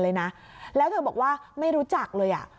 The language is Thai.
นี่เป็นลายเซ็นต์เลยนะแล้วเธอบอกว่าไม่รู้จักเลยอ่ะ